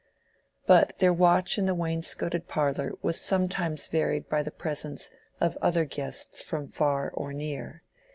But their watch in the wainscoted parlor was sometimes varied by the presence of other guests from far or near.